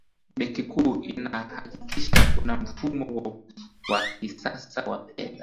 benki kuu inahakikisha kuna mfumo wa kisasa wa fedha